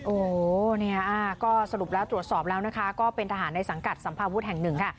โอ้โหเนี่ยก็สรุปแล้วตรวจสอบแล้วนะคะก็เป็นทหารในสังกัดสัมภาวุฒิแห่งหนึ่งค่ะ